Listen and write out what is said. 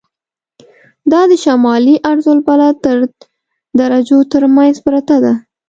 دا د شمالي عرض البلد تر درجو تر منځ پرته ده.